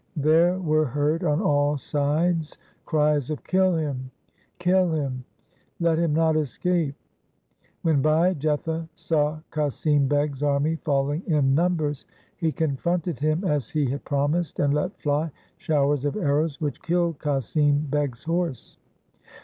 There were heard on all sides cries of ' Kill him ! kill him !'' Let him not escape !' When Bhai Jetha saw Qasim Beg's army falling in numbers, he confronted him as he had promised, and let fly showers of arrows which killed Qasim Beg's horse.